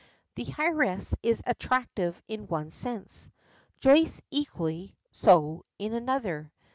The heiress is attractive in one sense; Joyce equally so in another.